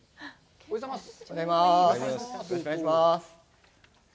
おはようございます。